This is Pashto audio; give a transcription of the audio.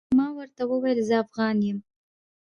ما ورته وويل زه افغان يم.